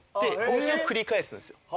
それを繰り返すんすよ。